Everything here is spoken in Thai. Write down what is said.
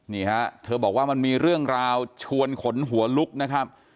นี่ฮะเธอบอกว่ามันมีเรื่องราวชวนขนหัวลุกนะครับ